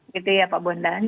gitu ya pak bondan